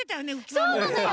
そうなのよ！